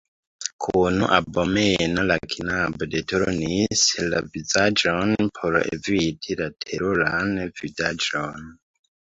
Kun abomeno la knabo deturnis la vizaĝon por eviti la teruran vidaĵon.